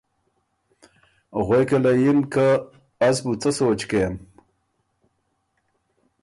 غوېکه له یِن که ”از بُو څۀ سوچ کېم؟“